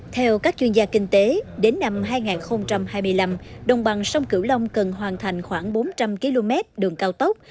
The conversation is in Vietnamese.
theo các chuyên gia kinh tế đến năm hai nghìn hai mươi năm đồng bằng sông cửu long cần hoàn thành khoảng bốn trăm linh km đường cao tốc